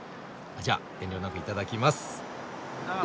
じゃ遠慮なくいただきます。